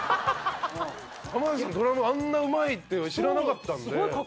濱口さんドラムあんなうまいって知らなかったんで。